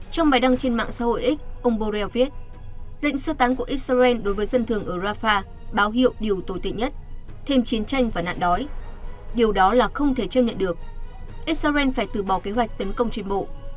trong bài đăng trên mạng xã hội x ông borrell viết lệnh sơ tán của israel đối với dân thường ở rafah báo hiệu điều tồi tệ nhất thêm chiến tranh và nạn đói điều đó là không thể chấp nhận được israel phải từ bỏ kế hoạch tấn công trên bộ